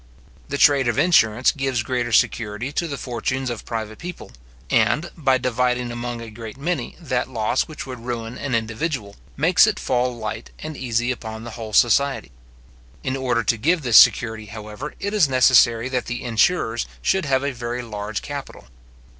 The trade of insurance gives great security to the fortunes of private people, and, by dividing among a great many that loss which would ruin an individual, makes it fall light and easy upon the whole society. In order to give this security, however, it is necessary that the insurers should have a very large capital.